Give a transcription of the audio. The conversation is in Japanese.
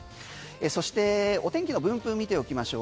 そしてお天気の分布を見ておきましょう。